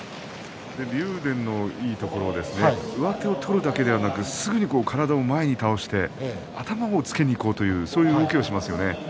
竜電はいいところは上手を取るだけでなくすぐに体を前に倒して頭をつけにいこうというそういう動きをしますよね。